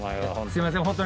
すいません